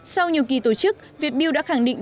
sau nhiều kỳ tổ chức việt build đã khẳng định